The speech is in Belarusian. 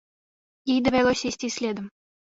Ёй давялося ісці следам.